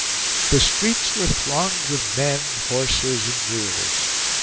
The streets were thronged with men, horses, and mules.